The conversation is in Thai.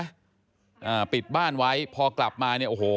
อ่าปิดบ้านไว้พอกลับมาเนี่ยโอ้โห